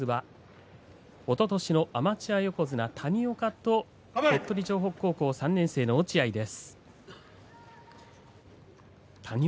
おととしのアマチュア横綱の谷岡と鳥取城北高校３年生の落合です。